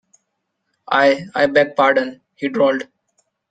I, I beg pardon, he drawled.